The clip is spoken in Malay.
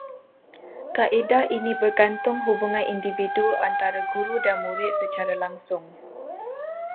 Kaedah ini bergantung hubungan individu antara guru dan murid secara langsung